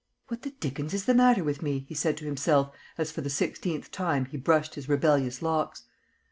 "What the dickens is the matter with me?" he said to himself, as for the sixteenth time he brushed his rebellious locks.